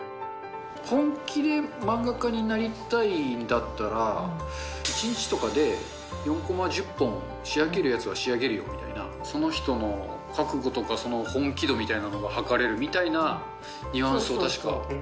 本気で漫画家になりたいんだったら、１日とかで４コマ１０本仕上げるやつは仕上げるよみたいな、その人の覚悟とかその本気度みたいなのが測れるみたいな、確か、ニュアンスを確か。